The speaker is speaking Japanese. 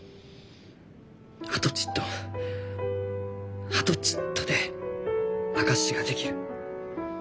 あとちっとあとちっとで証しができる。